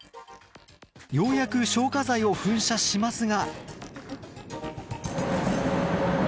ようやく消火剤を噴射しますが。